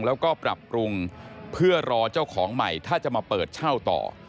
แล้วก็ปรับปรุงเพื่อรอเจ้าของใหม่ถ้าจะมาเปิดเช่าต่อ